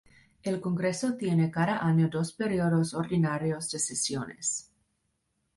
El Congreso tiene cada año dos períodos ordinarios de sesiones.